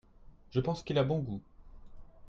Je pense qu'il a bon goût.